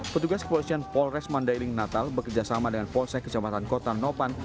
petugas kepolisian polres mandailing natal bekerjasama dengan polsek kecamatan kota nopan